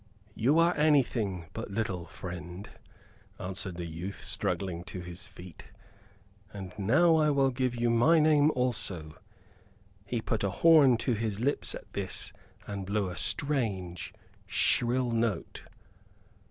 "You are anything but little, friend," answered the youth, struggling to his feet. "And now I will give you my name also." He put a horn to his lips at this and blew a strange, shrill note.